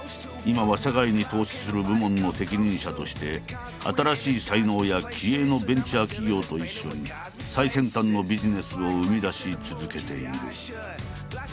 今は社外に投資する部門の責任者として新しい才能や気鋭のベンチャー企業と一緒に最先端のビジネスを生み出し続けている。